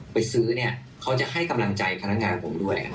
ไปซื้อเนี่ยเขาจะให้กำลังใจพนักงานผมด้วย